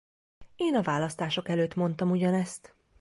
Én a választások előtt mondtam ugyanezt.